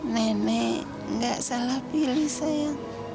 nenek nggak salah pilih sayang